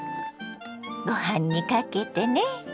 ご飯にかけてね。